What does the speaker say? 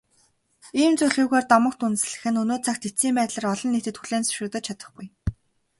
Ийм зүйлгүйгээр домогт үндэслэх нь өнөө цагт эцсийн байдлаар олон нийтэд хүлээн зөвшөөрөгдөж чадахгүй.